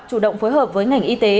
chủ động phối hợp với ngành y tế